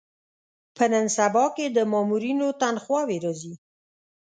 په نن سبا کې د مامورینو تنخوا وې راځي.